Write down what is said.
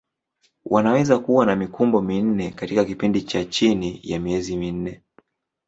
Wanaweza kuwa na mikumbo minne katika kipindi cha chini ya miezi minne.